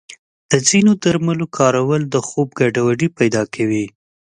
د ځینو درملو کارول د خوب ګډوډي پیدا کوي.